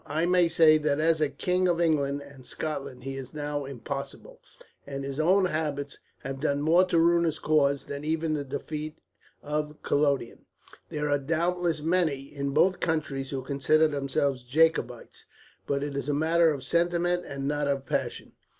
I may say that as a King of England and Scotland he is now impossible, and his own habits have done more to ruin his cause than even the defeat of Culloden. There are doubtless many, in both countries, who consider themselves Jacobites, but it is a matter of sentiment and not of passion.